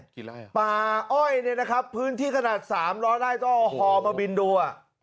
กี่ไร่ป่าอ้อยเนี่ยนะครับพื้นที่ขนาดสามร้อยไร่ต้องเอาฮอมาบินดูอ่ะ